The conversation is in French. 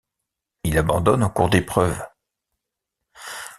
Il abandonne en cours d'épreuve.